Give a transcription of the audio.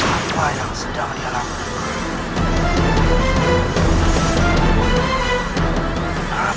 apa yang sedang dia lakukan